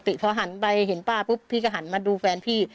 หมดสติเพราะหันไปเห็นป้าพี่ก็หันมาดูแฟนพี่